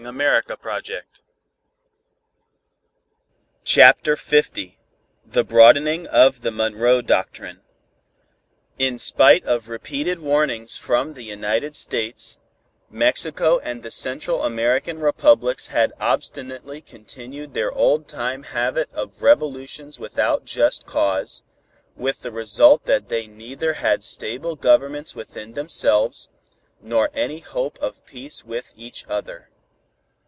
She wished she knew. CHAPTER L THE BROADENING OF THE MONROE DOCTRINE In spite of repeated warnings from the United States, Mexico and the Central American Republics had obstinately continued their old time habit of revolutions without just cause, with the result that they neither had stable governments within themselves, nor any hope of peace with each other.